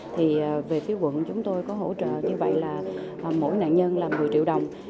thì về phía quận chúng tôi có hỗ trợ như vậy là mỗi nạn nhân là một mươi triệu đồng